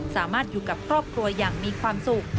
สามารถอยู่กับครอบครัวอย่างมีความสุข